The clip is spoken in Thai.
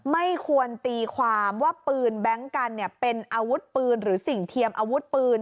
ไม่ควรตีความว่าปืนแบงค์กันเป็นอาวุธปืนหรือสิ่งเทียมอาวุธปืน